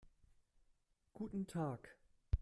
Guten Tag.